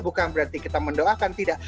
bukan berarti kita mendoakan tidak